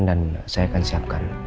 dan saya akan siapkan